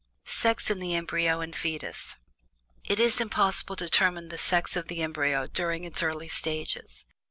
SEX IN THE EMBRYO AND FETUS. It is impossible to determine the sex of the embryo during its early stages.